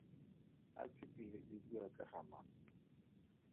Athikele e bua ka ga mang?